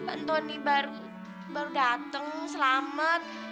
antoni baru baru dateng selamat